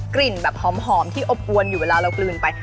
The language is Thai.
กลิ่นแบบหอมที่อบอวนอยู่เวลาเรากลืนไป